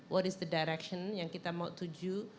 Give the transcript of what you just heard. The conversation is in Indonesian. what is the direction yang kita mau tuju